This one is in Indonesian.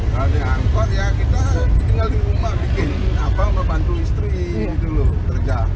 nah di angkot ya kita tinggal di rumah bikin apa membantu istri dulu kerja